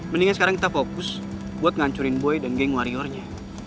mendingan sekarang kita fokus buat ngancurin boy dan geng warriornya